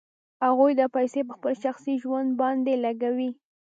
هغوی دا پیسې په خپل شخصي ژوند باندې لګوي